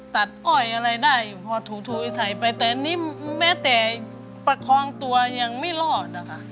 ตัดอ่อยอะไรได้พอถูทูไอ้ไทยไปแต่นี่แม่แต่ประคองตัวยังไม่รอดอะค่ะ